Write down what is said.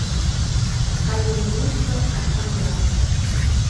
Каен йомшо ачамлан.